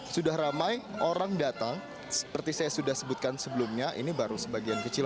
sudah ramai orang datang seperti saya sudah sebutkan sebelumnya ini baru sebagian kecil